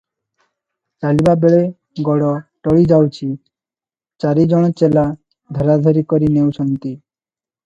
ଚାଲିବା ବେଳେ ଗୋଡ ଟଳି ଯାଉଛି, ଚାରି ଜଣ ଚେଲା ଧରାଧରି କରି ନେଉଛନ୍ତି ।